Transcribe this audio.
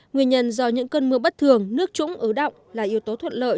nguyên nhân do những cơn mưa bất thường nước trũng ứ động là yếu tố thuận lợi